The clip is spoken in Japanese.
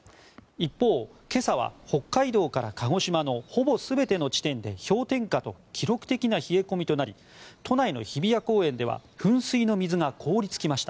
一方、今朝は北海道から鹿児島のほぼ全ての地点で氷点下と記録的な冷え込みとなり都内の日比谷公園では噴水の水が凍りつきました。